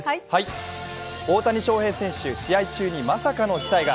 大谷翔平選手、試合中にまさかの事態が。